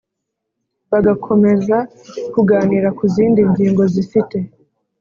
Bagakomeza kuganira ku zindi ngingo zifite